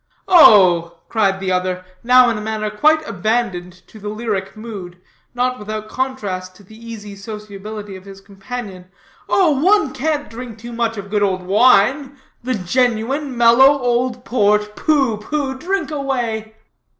"Oh," cried the other, now in manner quite abandoned to the lyric mood, not without contrast to the easy sociability of his companion. "Oh, one can't drink too much of good old wine the genuine, mellow old port. Pooh, pooh! drink away."